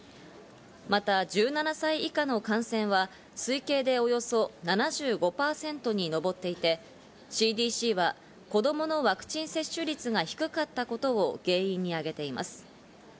また１７歳以下の感染は推計でおよそ７５％に上っていてＣＤＣは子供のワクチン接種率が低かったことを原因に挙げています。